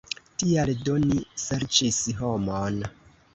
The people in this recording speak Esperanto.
Tial do ni serĉis homon.